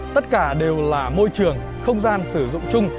tất cả đều là môi trường không gian sử dụng chung